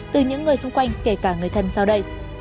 từ những người xung quanh kể cả người thân sau đây